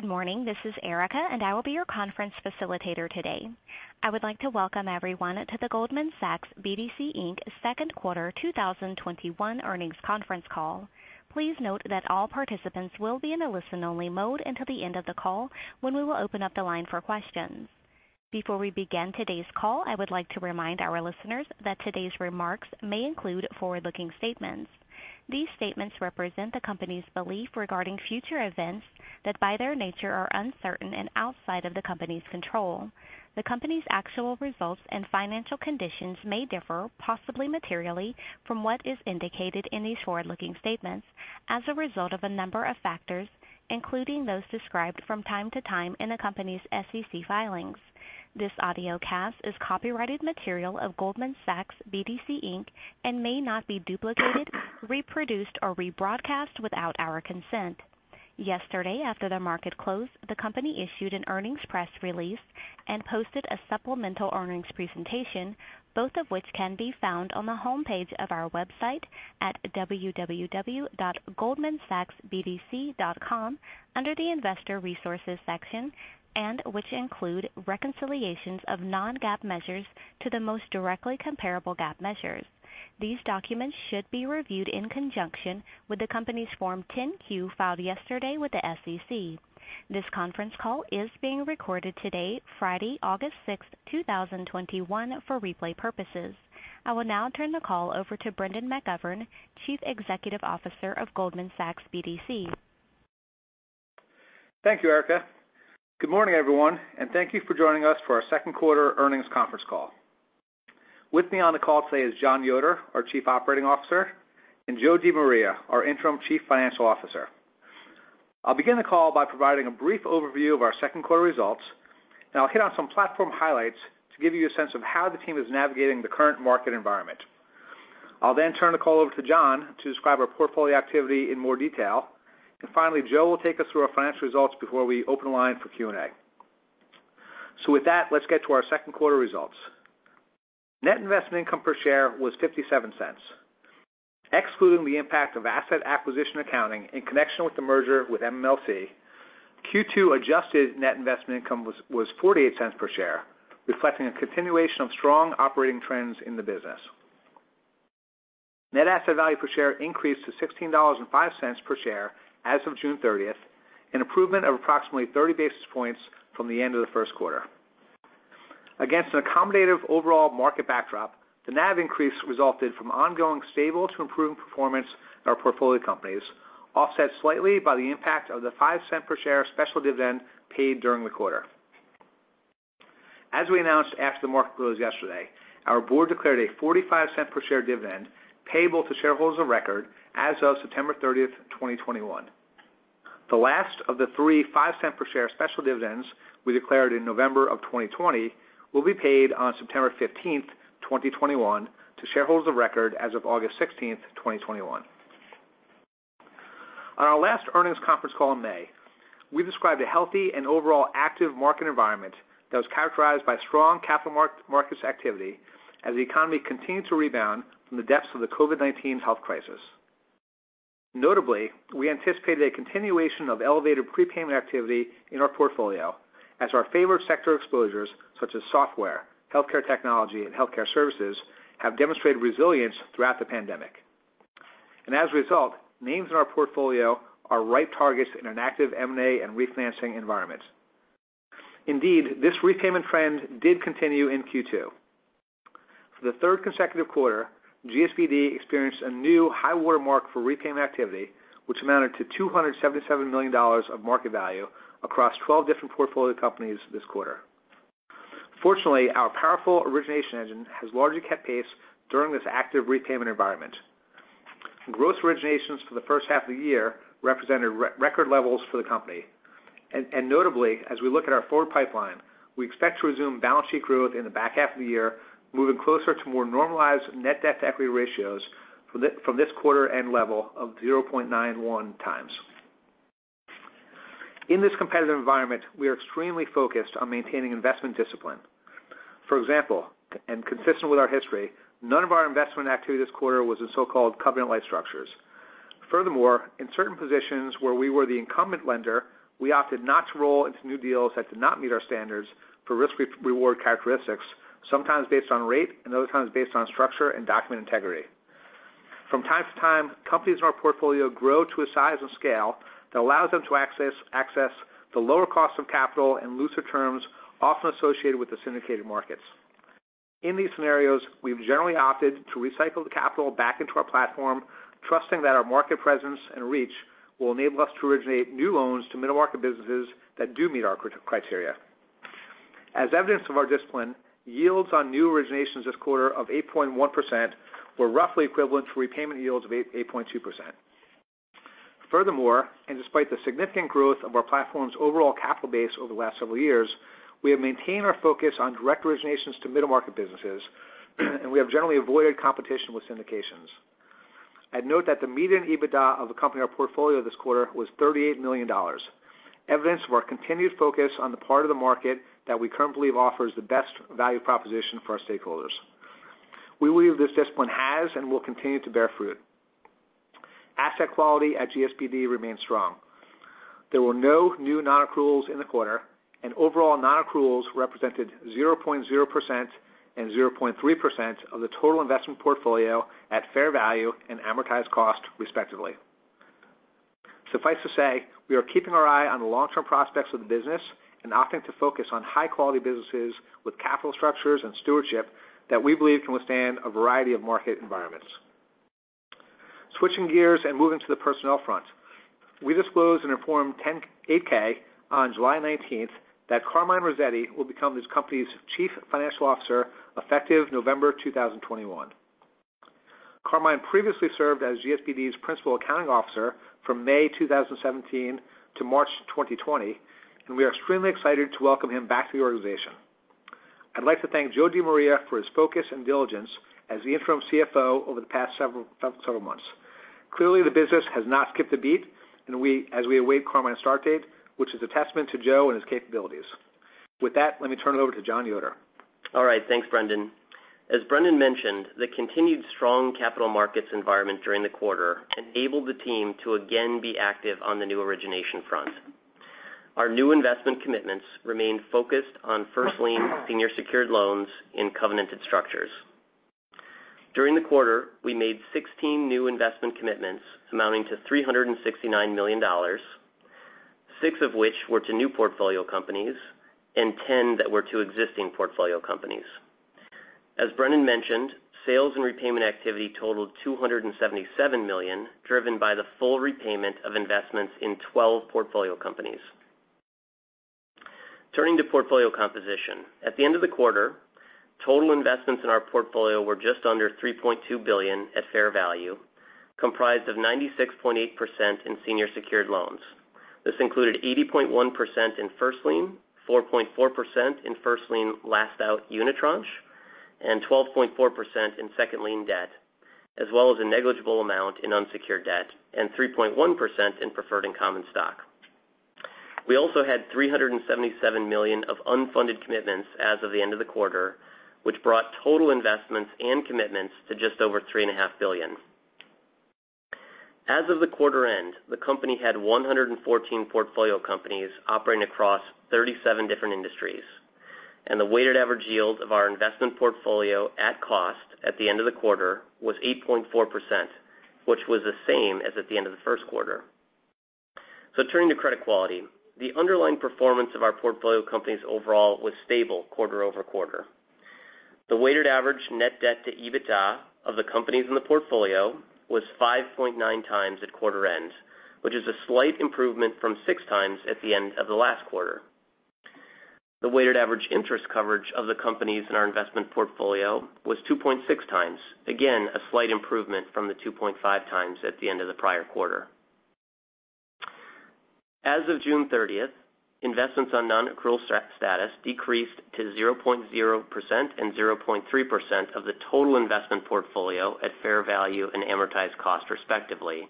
Good morning, this is Erica, and I will be your conference facilitator today. I would like to welcome everyone to the Goldman Sachs BDC Inc. Second Quarter 2021 earnings conference call. Please note that all participants will be in a listen-only mode until the end of the call when we will open up the line for questions. Before we begin today's call, I would like to remind our listeners that today's remarks may include forward-looking statements. These statements represent the company's belief regarding future events that, by their nature, are uncertain and outside of the company's control. The company's actual results and financial conditions may differ, possibly materially, from what is indicated in these forward-looking statements as a result of a number of factors, including those described from time to time in the company's SEC filings. This audio cast is copyrighted material of Goldman Sachs BDC Inc. and may not be duplicated, reproduced, or rebroadcast without our consent. Yesterday, after the market closed, the company issued an earnings press release and posted a supplemental earnings presentation, both of which can be found on the homepage of our website at www.goldmansachsbdc.com under the Investor Resources section, and which include reconciliations of non-GAAP measures to the most directly comparable GAAP measures. These documents should be reviewed in conjunction with the company's Form 10-Q filed yesterday with the SEC. This conference call is being recorded today, Friday, August 6th, 2021, for replay purposes. I will now turn the call over to Brendan McGovern, Chief Executive Officer of Goldman Sachs BDC. Thank you, Erica. Good morning, everyone, and thank you for joining us for our Second Quarter Earnings Conference Call. With me on the call today is Jon Yoder, our Chief Operating Officer, and Joe DiMaria, our Interim Chief Financial Officer. I'll begin the call by providing a brief overview of our Second Quarter results, and I'll hit on some platform highlights to give you a sense of how the team is navigating the current market environment. I'll then turn the call over to Jon to describe our portfolio activity in more detail, and finally, Joe will take us through our financial results before we open the line for Q&A. With that, let's get to our Second Quarter results. Net investment income per share was $0.57. Excluding the impact of asset acquisition accounting in connection with the merger with MMLC, Q2 adjusted net investment income was $0.48 per share, reflecting a continuation of strong operating trends in the business. Net asset value per share increased to $16.05 per share as of June 30th, an improvement of approximately 30 basis points from the end of the first quarter. Against an accommodative overall market backdrop, the NAV increase resulted from ongoing stable to improving performance of our portfolio companies, offset slightly by the impact of the $0.05 per share special dividend paid during the quarter. As we announced after the market closed yesterday, our board declared a $0.45 per share dividend payable to shareholders of record as of September 30th, 2021. The last of the three $0.05 per share special dividends we declared in November of 2020 will be paid on September 15th, 2021, to shareholders of record as of August 16th, 2021. On our last earnings conference call in May, we described a healthy and overall active market environment that was characterized by strong capital markets activity as the economy continued to rebound from the depths of the COVID-19 health crisis. Notably, we anticipated a continuation of elevated prepayment activity in our portfolio as our favorite sector exposures, such as software, healthcare technology, and healthcare services, have demonstrated resilience throughout the pandemic. As a result, names in our portfolio are ripe targets in an active M&A and refinancing environment. Indeed, this repayment trend did continue in Q2. For the third consecutive quarter, GSBD experienced a new high watermark for repayment activity, which amounted to $277 million of market value across 12 different portfolio companies this quarter. Fortunately, our powerful origination engine has largely kept pace during this active repayment environment. Gross originations for the first half of the year represented record levels for the company. Notably, as we look at our forward pipeline, we expect to resume balance sheet growth in the back half of the year, moving closer to more normalized net debt to equity ratios from this quarter and level of 0.91 times. In this competitive environment, we are extremely focused on maintaining investment discipline. For example, and consistent with our history, none of our investment activity this quarter was in so-called covenant-like structures. Furthermore, in certain positions where we were the incumbent lender, we opted not to roll into new deals that did not meet our standards for risk-reward characteristics, sometimes based on rate and other times based on structure and document integrity. From time to time, companies in our portfolio grow to a size and scale that allows them to access the lower cost of capital and looser terms often associated with the syndicated markets. In these scenarios, we have generally opted to recycle the capital back into our platform, trusting that our market presence and reach will enable us to originate new loans to middle-market businesses that do meet our criteria. As evidence of our discipline, yields on new originations this quarter of 8.1% were roughly equivalent to repayment yields of 8.2%. Furthermore, and despite the significant growth of our platform's overall capital base over the last several years, we have maintained our focus on direct originations to middle-market businesses, and we have generally avoided competition with syndications. I'd note that the median EBITDA of the company in our portfolio this quarter was $38 million, evidence of our continued focus on the part of the market that we currently believe offers the best value proposition for our stakeholders. We believe this discipline has and will continue to bear fruit. Asset quality at GSBD remains strong. There were no new non-accruals in the quarter, and overall non-accruals represented 0.0% and 0.3% of the total investment portfolio at fair value and amortized cost, respectively. Suffice to say, we are keeping our eye on the long-term prospects of the business and opting to focus on high-quality businesses with capital structures and stewardship that we believe can withstand a variety of market environments. Switching gears and moving to the personnel front, we disclosed and informed 8-K on July 19th that Carmine Rossetti will become this company's Chief Financial Officer effective November 2021. Carmine previously served as GSBD's Principal Accounting Officer from May 2017 to March 2020, and we are extremely excited to welcome him back to the organization. I'd like to thank Joe DiMaria for his focus and diligence as the Interim CFO over the past several months. Clearly, the business has not skipped a beat, and as we await Carmine's start date, which is a testament to Joe and his capabilities. With that, let me turn it over to Jon Yoder. All right. Thanks, Brendan. As Brendan mentioned, the continued strong capital markets environment during the quarter enabled the team to again be active on the new origination front. Our new investment commitments remained focused on first-lien senior secured loans in covenanted structures. During the quarter, we made 16 new investment commitments amounting to $369 million, six of which were to new portfolio companies and 10 that were to existing portfolio companies. As Brendan mentioned, sales and repayment activity totaled $277 million, driven by the full repayment of investments in 12 portfolio companies. Turning to portfolio composition, at the end of the quarter, total investments in our portfolio were just under $3.2 billion at fair value, comprised of 96.8% in senior secured loans. This included 80.1% in first lien, 4.4% in first-lien last-out unit tranche, and 12.4% in second-lien debt, as well as a negligible amount in unsecured debt and 3.1% in preferred and common stock. We also had $377 million of unfunded commitments as of the end of the quarter, which brought total investments and commitments to just over $3.5 billion. As of the quarter-end, the company had 114 portfolio companies operating across 37 different industries, and the weighted average yield of our investment portfolio at cost at the end of the quarter was 8.4%, which was the same as at the end of the first quarter. Turning to credit quality, the underlying performance of our portfolio companies overall was stable quarter over quarter. The weighted average net debt to EBITDA of the companies in the portfolio was 5.9 times at quarter end, which is a slight improvement from 6 times at the end of the last quarter. The weighted average interest coverage of the companies in our investment portfolio was 2.6 times, again a slight improvement from the 2.5 times at the end of the prior quarter. As of June 30th, investments on non-accrual status decreased to 0.0% and 0.3% of the total investment portfolio at fair value and amortized cost, respectively,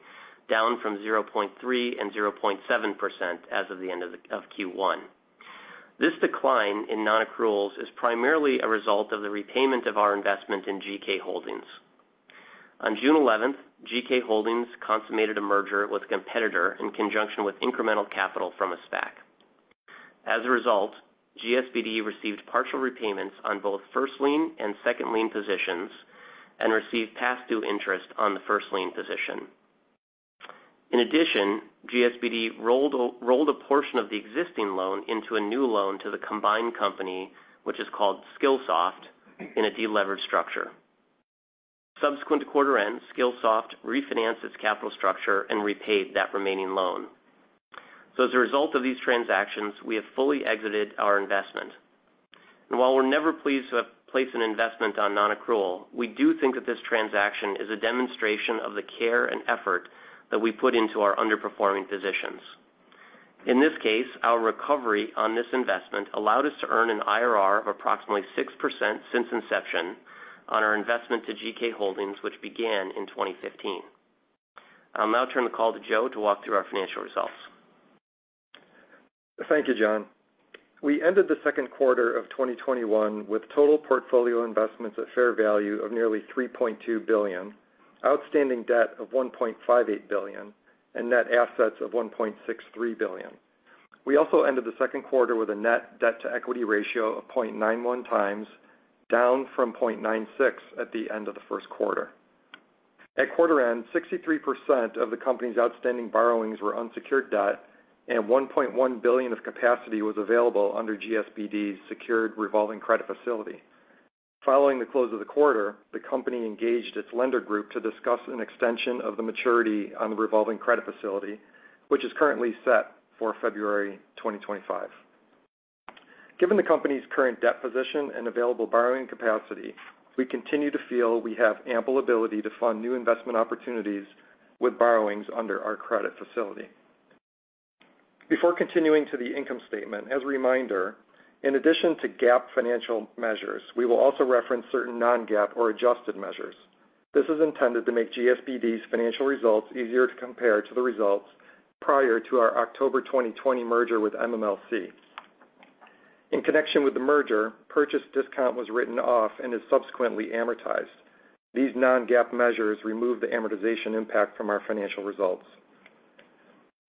down from 0.3% and 0.7% as of the end of Q1. This decline in non-accruals is primarily a result of the repayment of our investment in GK Holdings. On June 11th, GK Holdings consummated a merger with a competitor in conjunction with incremental capital from a SPAC. As a result, GSBD received partial repayments on both first-lien and second-lien positions and received past-due interest on the first-lien position. In addition, GSBD rolled a portion of the existing loan into a new loan to the combined company, which is called Skillsoft, in a deleveraged structure. Subsequent to quarter end, Skillsoft refinanced its capital structure and repaid that remaining loan. As a result of these transactions, we have fully exited our investment. While we're never pleased to place an investment on non-accrual, we do think that this transaction is a demonstration of the care and effort that we put into our underperforming positions. In this case, our recovery on this investment allowed us to earn an IRR of approximately 6% since inception on our investment to GK Holdings, which began in 2015. I'll now turn the call to Joe to walk through our financial results. Thank you, John. We ended the second quarter of 2021 with total portfolio investments at fair value of nearly $3.2 billion, outstanding debt of $1.58 billion, and net assets of $1.63 billion. We also ended the second quarter with a net debt to equity ratio of 0.91 times, down from 0.96 at the end of the first quarter. At quarter end, 63% of the company's outstanding borrowings were unsecured debt, and $1.1 billion of capacity was available under GSBD's secured revolving credit facility. Following the close of the quarter, the company engaged its lender group to discuss an extension of the maturity on the revolving credit facility, which is currently set for February 2025. Given the company's current debt position and available borrowing capacity, we continue to feel we have ample ability to fund new investment opportunities with borrowings under our credit facility. Before continuing to the income statement, as a reminder, in addition to GAAP financial measures, we will also reference certain non-GAAP or adjusted measures. This is intended to make GSBD's financial results easier to compare to the results prior to our October 2020 merger with MMLC. In connection with the merger, purchase discount was written off and is subsequently amortized. These non-GAAP measures remove the amortization impact from our financial results.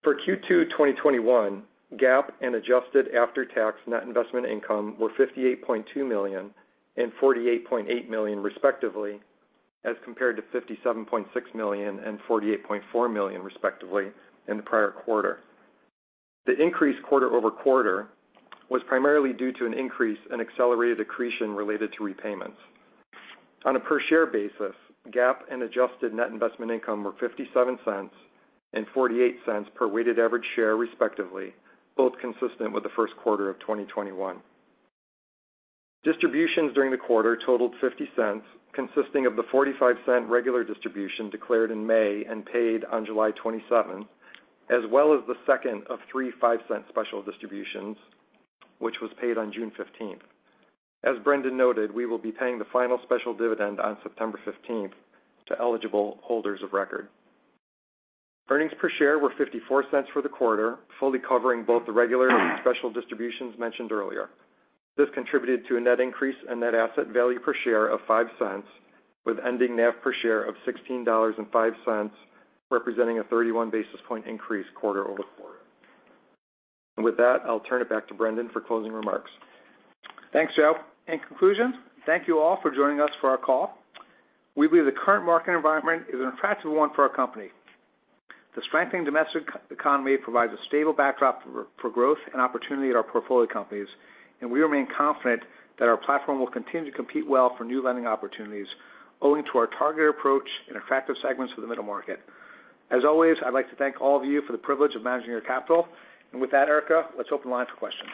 For Q2 2021, GAAP and adjusted after-tax net investment income were $58.2 million and $48.8 million, respectively, as compared to $57.6 million and $48.4 million, respectively, in the prior quarter. The increase quarter over quarter was primarily due to an increase in accelerated accretion related to repayments. On a per-share basis, GAAP and adjusted net investment income were $0.57 and $0.48 per weighted average share, respectively, both consistent with the first quarter of 2021. Distributions during the quarter totaled $0.50, consisting of the $0.45 regular distribution declared in May and paid on July 27th, as well as the second of three $0.05 special distributions, which was paid on June 15th. As Brendan noted, we will be paying the final special dividend on September 15th to eligible holders of record. Earnings per share were $0.54 for the quarter, fully covering both the regular and special distributions mentioned earlier. This contributed to a net increase in net asset value per share of $0.05, with ending NAV per share of $16.05, representing a 31 basis point increase quarter-over-quarter. With that, I'll turn it back to Brendan for closing remarks. Thanks, Joe. In conclusion, thank you all for joining us for our call. We believe the current market environment is an attractive one for our company. The strengthening domestic economy provides a stable backdrop for growth and opportunity at our portfolio companies, and we remain confident that our platform will continue to compete well for new lending opportunities, owing to our targeted approach and attractive segments of the middle-market. As always, I'd like to thank all of you for the privilege of managing your capital. With that, Erica, let's open the line for questions.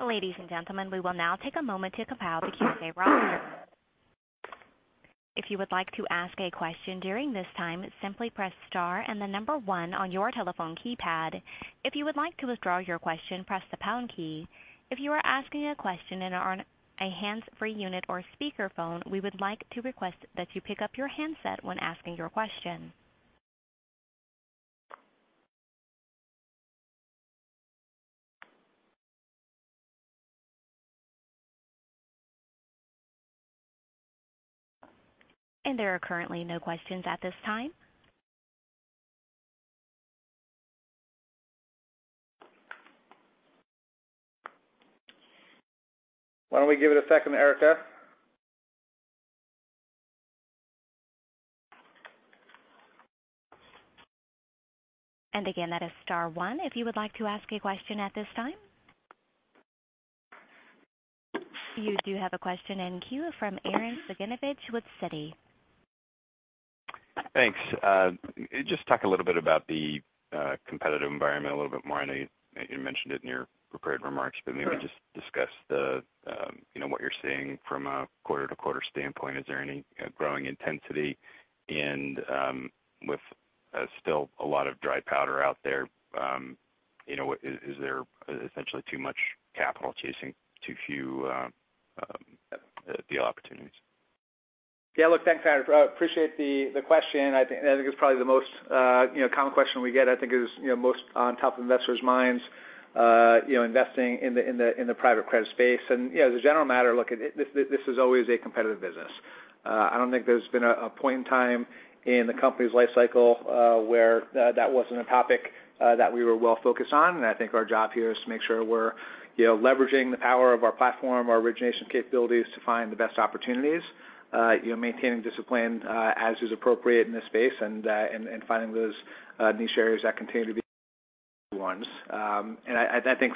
Ladies and gentlemen, we will now take a moment to compile the Q&A browser. If you would like to ask a question during this time, simply press star and the number 1 on your telephone keypad. If you would like to withdraw your question, press the pound key. If you are asking a question in a hands-free unit or speakerphone, we would like to request that you pick up your handset when asking your question. There are currently no questions at this time. Why don't we give it a second, Erica? Again, that is star one if you would like to ask a question at this time. You do have a question in queue from Arren Cyganovich with Citi. Thanks. Just talk a little bit about the competitive environment a little bit more. I know you mentioned it in your prepared remarks, but maybe just discuss what you're seeing from a quarter-to-quarter standpoint. Is there any growing intensity with still a lot of dry powder out there? Is there essentially too much capital chasing too few deal opportunities? Yeah. Look, thanks, Arren. Appreciate the question. I think it's probably the most common question we get. I think it is most on top of investors' minds, investing in the private credit space. As a general matter, look, this is always a competitive business. I don't think there's been a point in time in the company's life cycle where that wasn't a topic that we were well focused on. I think our job here is to make sure we're leveraging the power of our platform, our origination capabilities to find the best opportunities, maintaining discipline as is appropriate in this space, and finding those niche areas that continue to be ones. I think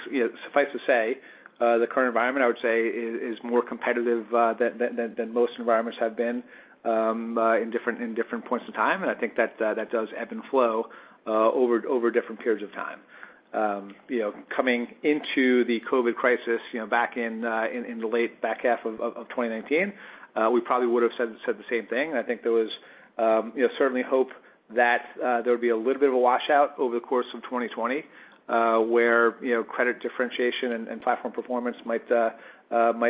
suffice to say, the current environment, I would say, is more competitive than most environments have been in different points in time. I think that does ebb and flow over different periods of time. Coming into the COVID crisis back in the late back half of 2019, we probably would have said the same thing. I think there was certainly hope that there would be a little bit of a washout over the course of 2020, where credit differentiation and platform performance might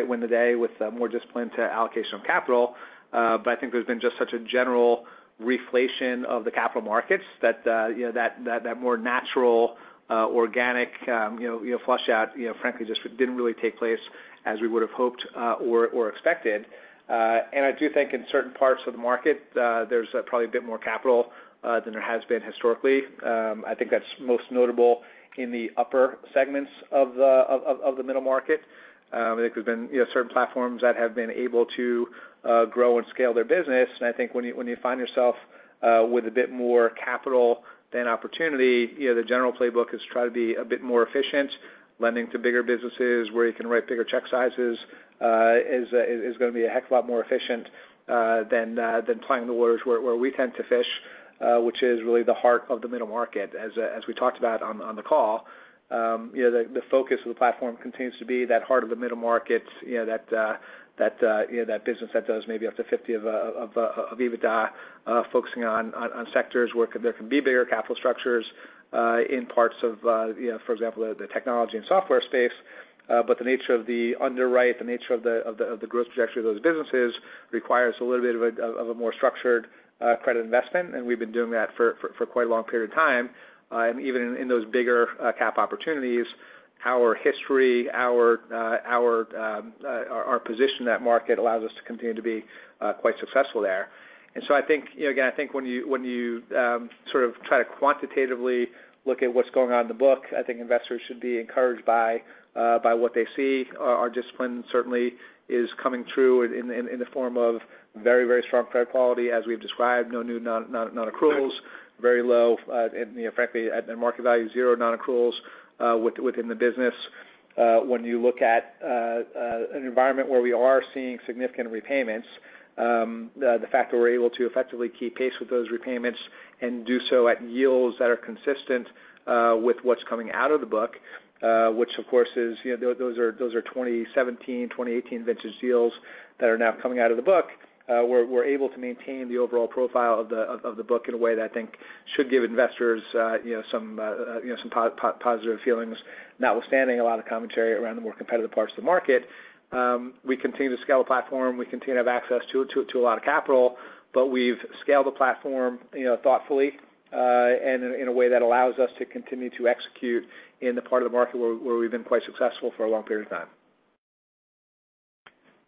win the day with more discipline to allocation of capital. I think there's been just such a general reflation of the capital markets that that more natural, organic flush-out, frankly, just didn't really take place as we would have hoped or expected. I do think in certain parts of the market, there's probably a bit more capital than there has been historically. I think that's most notable in the upper segments of the middle-market. I think there's been certain platforms that have been able to grow and scale their business. I think when you find yourself with a bit more capital than opportunity, the general playbook is to try to be a bit more efficient. Lending to bigger businesses where you can write bigger check sizes is going to be a heck of a lot more efficient than playing in the waters where we tend to fish, which is really the heart of the middle-market, as we talked about on the call. The focus of the platform continues to be that heart of the middle-market, that business that does maybe up to $50 million of EBITDA, focusing on sectors where there can be bigger capital structures in parts of, for example, the technology and software space. The nature of the underwrite, the nature of the growth trajectory of those businesses requires a little bit of a more structured credit investment. We've been doing that for quite a long period of time. Even in those bigger cap opportunities, our history, our position in that market allows us to continue to be quite successful there. I think, again, I think when you sort of try to quantitatively look at what's going on in the book, I think investors should be encouraged by what they see. Our discipline certainly is coming true in the form of very, very strong credit quality, as we've described, no new non-accruals, very low, frankly, at market value, zero non-accruals within the business. When you look at an environment where we are seeing significant repayments, the fact that we're able to effectively keep pace with those repayments and do so at yields that are consistent with what's coming out of the book, which, of course, is those are 2017, 2018 vintage deals that are now coming out of the book, we're able to maintain the overall profile of the book in a way that I think should give investors some positive feelings, notwithstanding a lot of commentary around the more competitive parts of the market. We continue to scale the platform. We continue to have access to a lot of capital, but we've scaled the platform thoughtfully and in a way that allows us to continue to execute in the part of the market where we've been quite successful for a long period of time.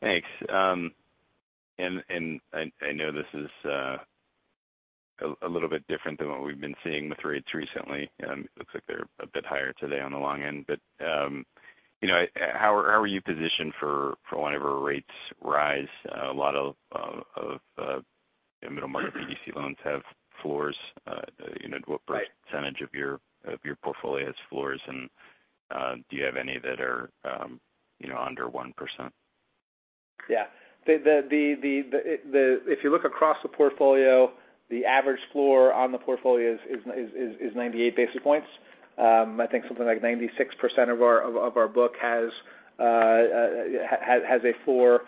Thanks. I know this is a little bit different than what we've been seeing with rates recently. It looks like they're a bit higher today on the long end. How are you positioned for whenever rates rise? A lot of middle-market BDC loans have floors. What percentage of your portfolio has floors? Do you have any that are under 1%? Yeah. If you look across the portfolio, the average floor on the portfolio is 98 basis points. I think something like 96% of our book has a floor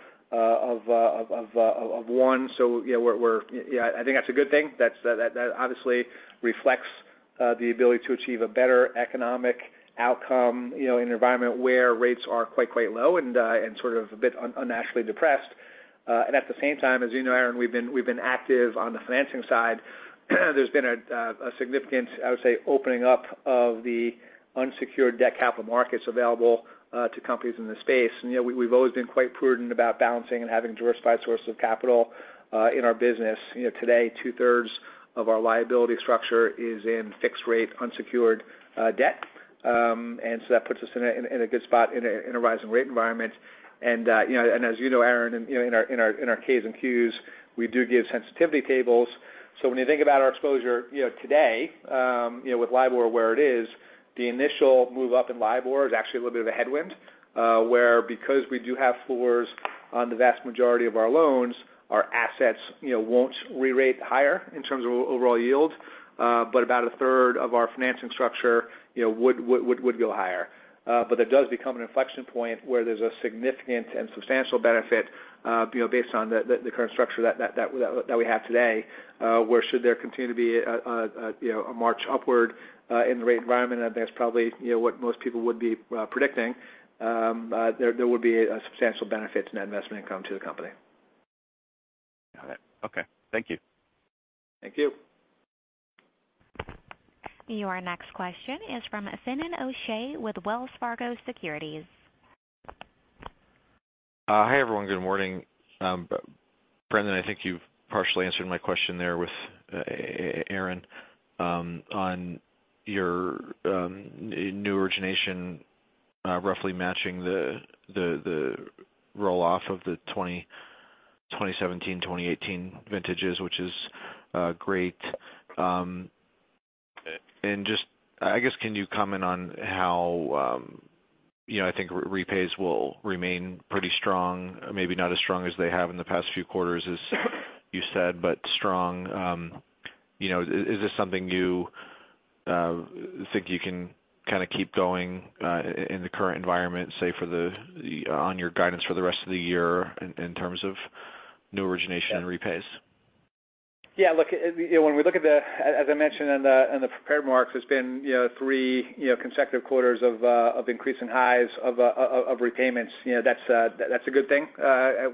of one. Yeah, I think that's a good thing. That obviously reflects the ability to achieve a better economic outcome in an environment where rates are quite, quite low and sort of a bit unnaturally depressed. At the same time, as you know, Arren, we've been active on the financing side. There's been a significant, I would say, opening up of the unsecured debt capital markets available to companies in this space. We've always been quite prudent about balancing and having diversified sources of capital in our business. Today, 2/3 of our liability structure is in fixed-rate unsecured debt. That puts us in a good spot in a rising rate environment. As you know, Aaron, in our K's and Q's, we do give sensitivity tables. When you think about our exposure today with LIBOR where it is, the initial move up in LIBOR is actually a little bit of a headwind, where because we do have floors on the vast majority of our loans, our assets won't re-rate higher in terms of overall yield, but about 1/3 of our financing structure would go higher. That does become an inflection point where there's a significant and substantial benefit based on the current structure that we have today, where should there continue to be a march upward in the rate environment, I think that's probably what most people would be predicting. There would be a substantial benefit to that investment income to the company. Got it. Okay. Thank you. Thank you. Your next question is from Finian O'Shea with Wells Fargo Securities. Hi everyone. Good morning. Brendan, I think you've partially answered my question there with Arren on your new origination, roughly matching the roll-off of the 2017, 2018 vintages, which is great. I guess, can you comment on how I think repays will remain pretty strong, maybe not as strong as they have in the past few quarters, as you said, but strong. Is this something you think you can kind of keep going in the current environment, say, on your guidance for the rest of the year in terms of new origination and repays? Yeah. Look, when we look at the, as I mentioned in the prepared remarks, there's been three consecutive quarters of increasing highs of repayments. That's a good thing.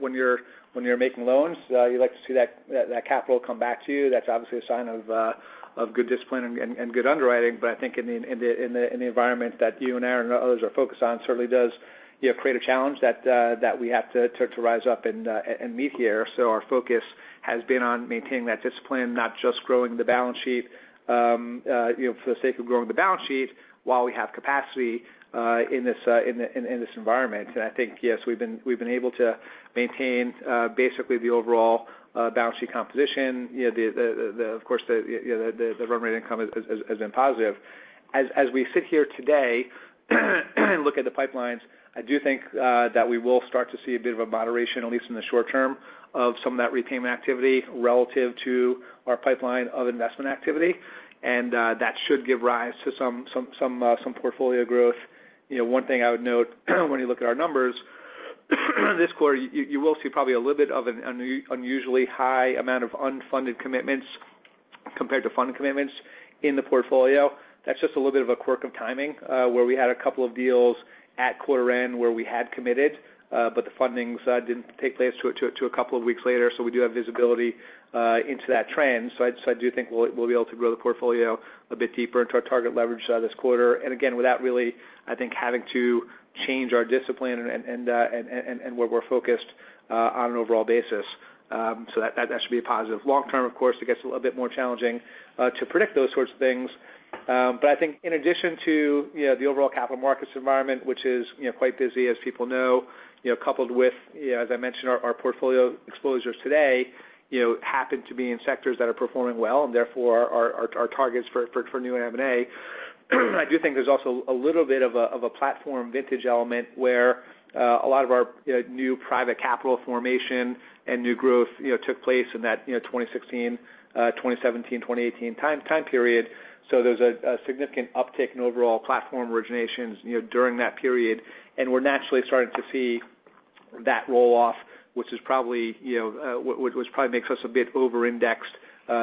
When you're making loans, you'd like to see that capital come back to you. That's obviously a sign of good discipline and good underwriting. I think in the environment that you and Aaron and others are focused on, it certainly does create a challenge that we have to rise up and meet here. Our focus has been on maintaining that discipline, not just growing the balance sheet for the sake of growing the balance sheet while we have capacity in this environment. I think, yes, we've been able to maintain basically the overall balance sheet composition. Of course, the run rate income has been positive. As we sit here today and look at the pipelines, I do think that we will start to see a bit of a moderation, at least in the short term, of some of that repayment activity relative to our pipeline of investment activity. That should give rise to some portfolio growth. One thing I would note, when you look at our numbers this quarter, you will see probably a little bit of an unusually high amount of unfunded commitments compared to funded commitments in the portfolio. That is just a little bit of a quirk of timing where we had a couple of deals at quarter end where we had committed, but the fundings did not take place until a couple of weeks later. We do have visibility into that trend. I do think we'll be able to grow the portfolio a bit deeper into our target leverage this quarter. Again, without really, I think, having to change our discipline and where we're focused on an overall basis. That should be a positive. Long term, of course, it gets a little bit more challenging to predict those sorts of things. I think in addition to the overall capital markets environment, which is quite busy, as people know, coupled with, as I mentioned, our portfolio exposures today happen to be in sectors that are performing well and therefore our targets for new M&A. I do think there's also a little bit of a platform vintage element where a lot of our new private capital formation and new growth took place in that 2016, 2017, 2018 time period. There is a significant uptick in overall platform originations during that period. We are naturally starting to see that roll-off, which probably makes us a bit over-indexed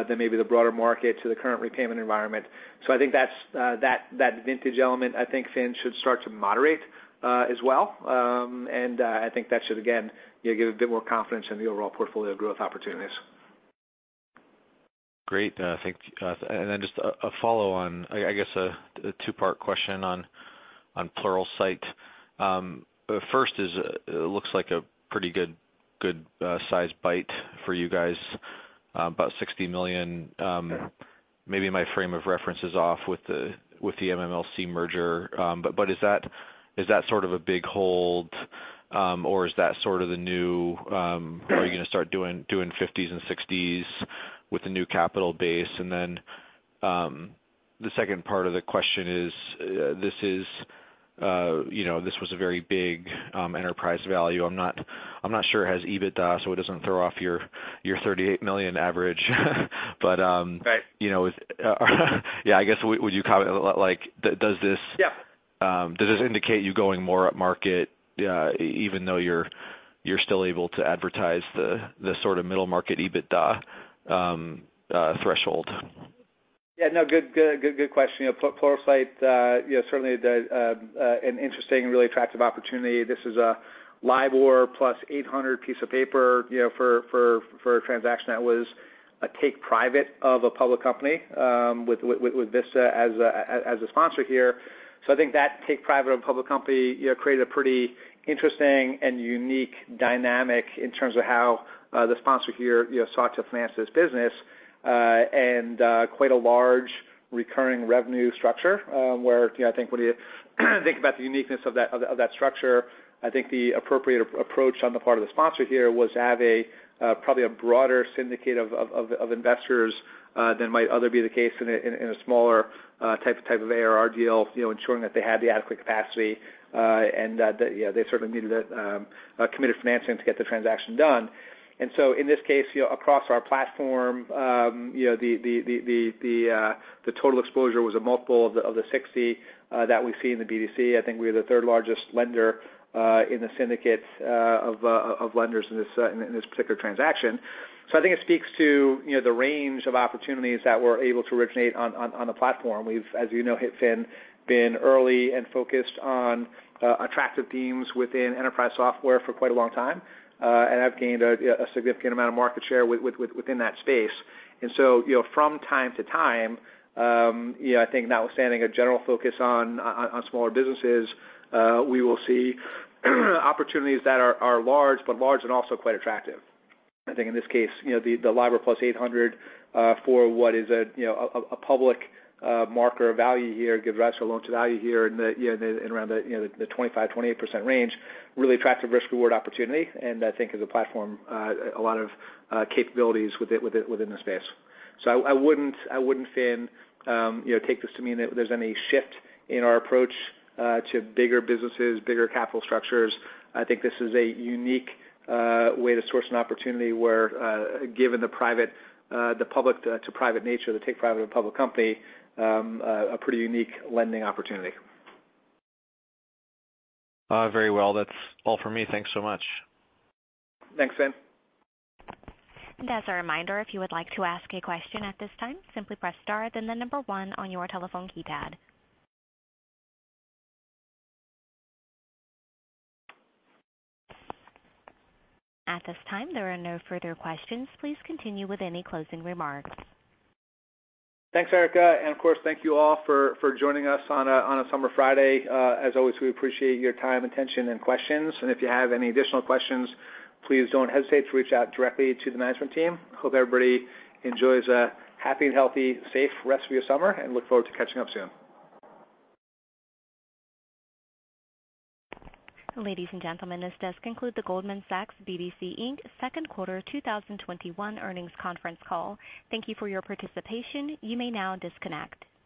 than maybe the broader market to the current repayment environment. I think that vintage element, I think, Finn, should start to moderate as well. I think that should, again, give a bit more confidence in the overall portfolio growth opportunities. Great. Thank you. Just a follow-on, I guess, a two-part question on Pluralsight. First is, it looks like a pretty good size bite for you guys, about $60 million. Maybe my frame of reference is off with the MMLC merger. Is that sort of a big hold, or is that sort of the new, are you going to start doing $50 million and $60 million with a new capital base? The second part of the question is, this was a very big enterprise value. I'm not sure it has EBITDA, so it does not throw off your $38 million average. I guess would you comment, does this indicate you going more up market even though you're still able to advertise the sort of middle-market EBITDA threshold? Yeah. No, good question. Pluralsight, certainly an interesting and really attractive opportunity. This is a LIBOR plus 800 piece of paper for a transaction that was a take-private of a public company with Vista as a sponsor here. I think that take private of a public company created a pretty interesting and unique dynamic in terms of how the sponsor here sought to finance this business and quite a large recurring revenue structure where I think when you think about the uniqueness of that structure, I think the appropriate approach on the part of the sponsor here was to have probably a broader syndicate of investors than might other be the case in a smaller type of ARR deal, ensuring that they had the adequate capacity and that they certainly needed committed financing to get the transaction done. In this case, across our platform, the total exposure was a multiple of the 60 that we see in the BDC. I think we are the third largest lender in the syndicate of lenders in this particular transaction. I think it speaks to the range of opportunities that we're able to originate on the platform. We've, as you know, Finn, been early and focused on attractive themes within enterprise software for quite a long time. I've gained a significant amount of market share within that space. From time to time, I think notwithstanding a general focus on smaller businesses, we will see opportunities that are large, but large and also quite attractive. I think in this case, the LIBOR plus 800 for what is a public marker of value here, gives rise to a loan to value here in around the 25%-28% range, really attractive risk-reward opportunity. I think as a platform, a lot of capabilities within the space. I would not, Finn, take this to mean that there is any shift in our approach to bigger businesses, bigger capital structures. I think this is a unique way to source an opportunity where, given the public to private nature, the take private of a public company, a pretty unique lending opportunity. Very well. That's all for me. Thanks so much. Thanks, Finn. As a reminder, if you would like to ask a question at this time, simply press star, then the number 1 on your telephone keypad. At this time, there are no further questions. Please continue with any closing remarks. Thanks, Erica. Of course, thank you all for joining us on a summer Friday. As always, we appreciate your time, attention, and questions. If you have any additional questions, please don't hesitate to reach out directly to the management team. Hope everybody enjoys a happy and healthy, safe rest of your summer, and look forward to catching up soon. Ladies and Gentlemen, this does conclude the Goldman Sachs BDC Second Quarter 2021 Earnings Conference Call. Thank you for your participation. You may now disconnect.